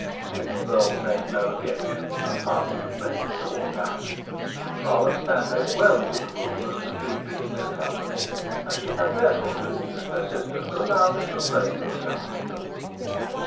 Mrs Bold made no objection, and a party was made to walk out. Charlotte Stanhope well knew the rule as to three being no company, and she had therefore to induce her sister to allow Mr Slope to accompany them.